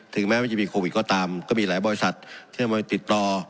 ถึงแม้มันไม่มีโควิดก็ตามก็มีหลายบริศรัทน์ที่มาติดต่อ